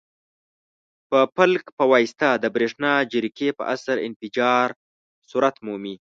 په پلک په واسطه د برېښنا جرقې په اثر انفجار صورت مومي.